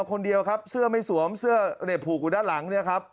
คนเดียวครับเสื้อไม่สวมเสื้อหูด้านหลัง